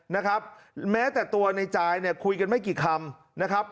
นะครับแม้แต่ตัวในจายเนี่ยคุยกันไม่กี่คำนะครับ